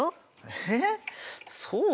えっそう？